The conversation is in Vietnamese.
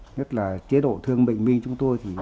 nhất là chế độ thương bệnh viên chúng tôi